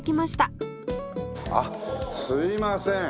あっすいません。